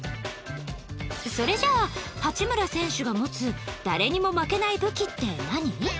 それじゃあ八村選手が持つ誰にも負けない武器って何？